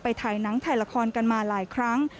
ถ่ายหนังถ่ายละครกันมาหลายครั้ง